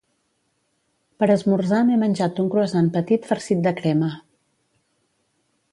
Per esmorzar m'he menjat un croissant petit farcit de crema